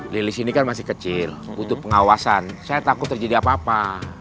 lilis ini kan masih kecil butuh pengawasan saya takut terjadi apa apa